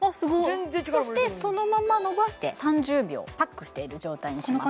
全然力も入れてへんそしてそのままのばして３０秒パックしている状態にしますね